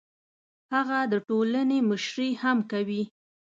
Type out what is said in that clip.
هغه د ټولنې مشري هم کوي.